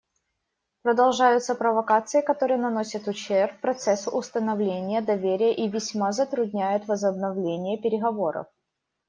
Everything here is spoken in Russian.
Продолжаются провокации, которые наносят ущерб процессу установления доверия и весьма затрудняют возобновление переговоров.